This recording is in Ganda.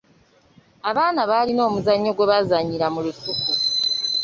Abaana balina omuzannyo gwe bazannyira mu lusuku.